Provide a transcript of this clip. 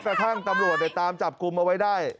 กระทั่งตำรวจตามจับกลุ่มเอาไว้ได้